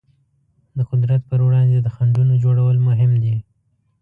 د قدرت پر وړاندې د خنډونو جوړول مهم دي.